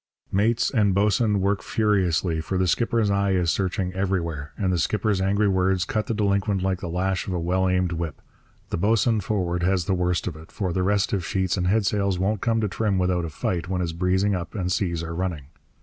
Mates and boatswain work furiously, for the skipper's eye is searching everywhere, and the skipper's angry words cut the delinquent like the lash of a well aimed whip. The boatswain forward has the worst of it, for the restive sheets and headsails won't come to trim without a fight when it's breezing up and seas are running.